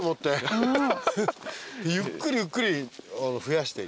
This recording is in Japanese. ゆっくりゆっくり増やして。